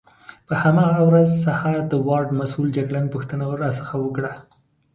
په هماغه ورځ سهار د وارډ مسؤل جګړن پوښتنه راڅخه وکړه.